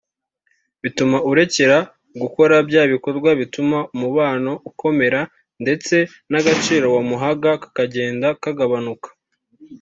bituma urekeraho gukora bya bikorwa bituma umubano ukomera ndetse n’agaciro wamuhaga kakagenda kagabanuka